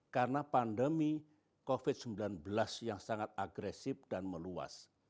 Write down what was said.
karena pandemi covid sembilan belas yang sangat agresif dan meluas